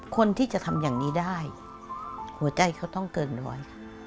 คนที่จะทำอย่างนี้ได้หัวใจเขาต้องเกินร้อยค่ะ